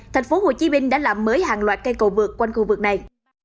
thành phố hồ chí minh đã làm mới hàng loạt cây cầu vượt quanh khu vực này